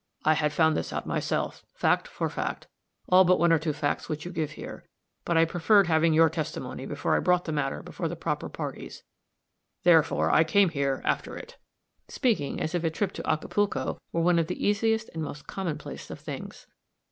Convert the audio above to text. "I had found this out myself, fact for fact, all but one or two facts which you give here; but I preferred having your testimony before I brought the matter before the proper parties, therefore I came here after it" speaking as if a trip to Acapulco were one of the easiest and most commonplace of things.